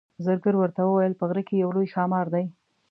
زرګر ورته وویل په غره کې یو لوی ښامار دی.